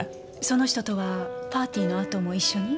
その人とはパーティーの後も一緒に？